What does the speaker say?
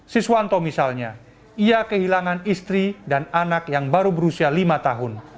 siswanto misalnya ia kehilangan istri dan anak yang baru berusia lima tahun